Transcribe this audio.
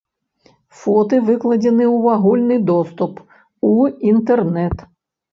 Фоты выкладзеныя ў агульны доступ у інтэрнэт.